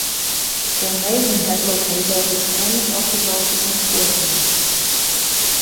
Der Maidenhead Locator ist ähnlich aufgebaut wie sein Vorgänger.